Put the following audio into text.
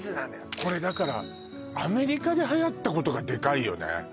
これだからアメリカではやったことがデカいよね